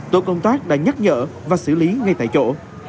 tổ công tác đã nhắc nhở và xử lý ngay tại chỗ